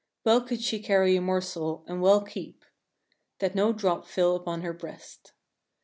"Wel cowde sche carie a morsel, and wel keepe, "That no drop fil uppon hire brest.